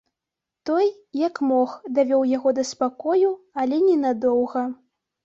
Той, як мог, давёў яго да спакою, але ненадоўга.